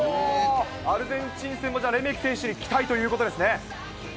アルゼンチン戦もじゃあ、レメキ選手に期待ということですね。